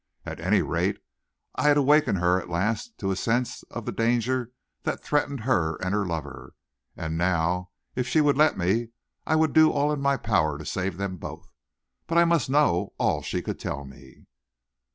At any rate, I had wakened her at last to a sense of the danger that threatened her and her lover, and now, if she would let me, I would do all in my power to save them both. But I must know all she could tell me.